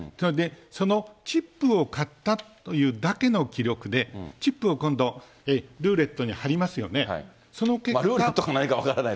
そのチップを買ったというだけの記録で、チップを今度、ルーレットにはりますよね。